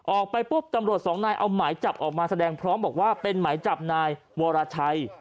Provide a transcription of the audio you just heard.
ออกไปปุ๊บตำรวจสองนายเอาหมายจับออกมาแสดงพร้อมบอกว่าเป็นหมายจับนายวรชัย